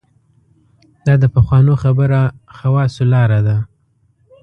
دا د پخوانو خبره خواصو لاره ده.